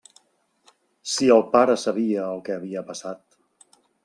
Si el pare sabia el que havia passat...!